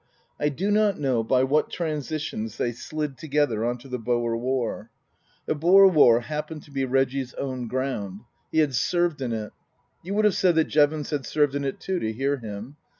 I do not know by what transitions they slid together on to the Boer War. The Boer War happened to be Reggie's own ground. He had served in it. You would have said that Jevons had served in it too, to hear him.